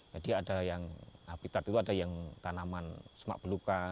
jadi ada yang habitat itu ada yang tanaman semak beluka